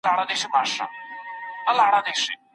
ښایي ږیره لرونکی سړی ډوډۍ او مڼه راوړي.